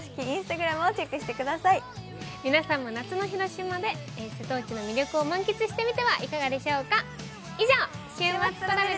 皆さんも夏の広島で瀬戸内の魅力を満喫してみてはいかがでしようか？